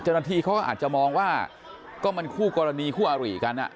เจ้าหน้าที่เขาก็อาจจะมองว่าก็มันคู่กรณีคู่อารีกัน